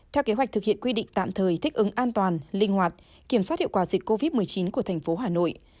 theo kế hoạch thực hiện quy định tạm thời thích ứng an toàn linh hoạt kiểm soát hiệu quả dịch covid một mươi chín của thành phố hà nội